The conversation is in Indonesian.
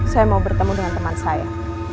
saya mau bertemu dengan teman saya